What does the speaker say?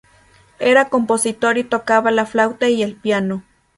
Era compositor y tocaba la flauta y el piano.